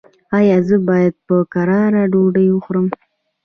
ایا زه باید په کراره ډوډۍ وخورم؟